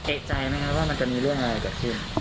เอกใจไหมครับว่ามันจะมีเรื่องอะไรเกิดขึ้น